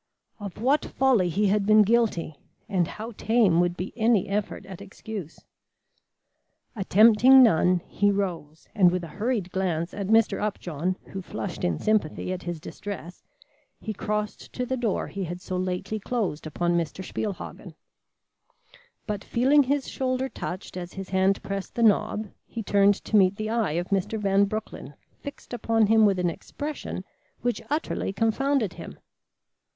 Of what folly he had been guilty, and how tame would be any effort at excuse! Attempting none, he rose and with a hurried glance at Mr. Upjohn who flushed in sympathy at his distress, he crossed to the door he had so lately closed upon Mr. Spielhagen. But feeling his shoulder touched as his hand pressed the knob, he turned to meet the eye of Mr. Van Broecklyn fixed upon him with an expression which utterly confounded him.